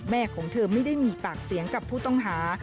ของเธอไม่ได้มีปากเสียงกับผู้ต้องหา